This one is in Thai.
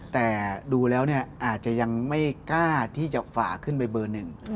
แต่ดูแล้วอาจจะยังไม่กล้าที่จะฝ่าขึ้นไปเบอร์หนึ่ง